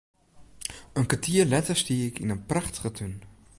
In kertier letter stie ik yn in prachtige tún.